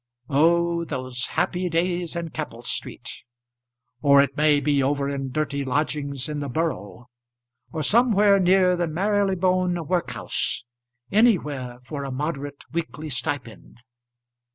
Oh, those happy days in Keppel Street, or it may be over in dirty lodgings in the Borough, or somewhere near the Marylebone workhouse; anywhere for a moderate weekly stipend.